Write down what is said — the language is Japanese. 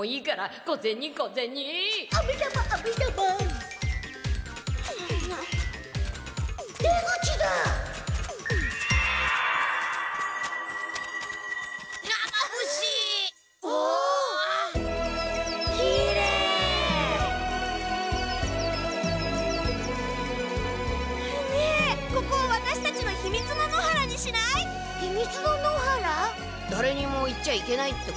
だれにも言っちゃいけないってこと？